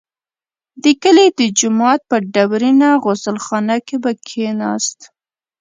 د کلي د جومات په ډبرینه غسل خانه کې به کښېناست.